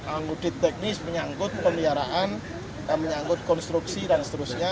audit teknis menyangkut pembiaraan menyangkut konstruksi dan seterusnya